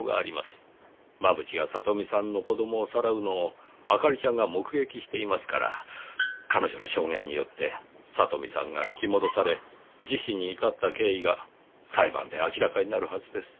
真渕が聡美さんの子供をさらうのを明里ちゃんが目撃していますから彼女の証言によって聡美さんが引き戻され自死に至った経緯が裁判で明らかになるはずです。